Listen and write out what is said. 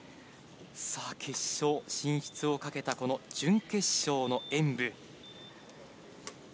決勝進出をかけたこの準決勝の演武。